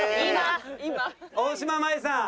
大島麻衣さん。